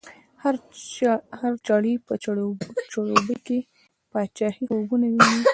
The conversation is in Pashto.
هر چړی په چړچوبۍ کی، باچایې خوبونه وینې